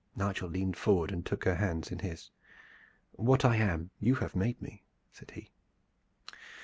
Nigel leaned forward and took her hands in his. "What I am you have made me," said he.